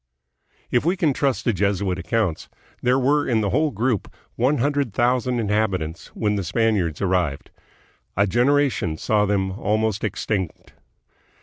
If we can trust the Jesuit accounts, there were in the whole group one hundred thousand inhabitants when the Spaniards arrived. A generation saw them almost ex tinct.